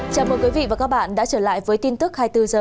chào mừng quý vị và các bạn đã trở lại với tin tức hai mươi bốn h